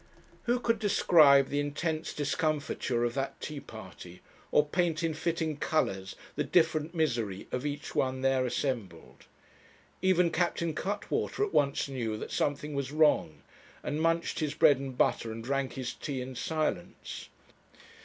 Who could describe the intense discomfiture of that tea party, or paint in fitting colours the different misery of each one there assembled? Even Captain Cuttwater at once knew that something was wrong, and munched his bread and butter and drank his tea in silence.